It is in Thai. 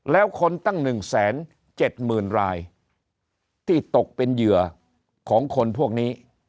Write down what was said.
แล้วคนตั้งหนึ่งแสนเจ็ดหมื่นรายที่ตกเป็นเหยื่อของคนพวกนี้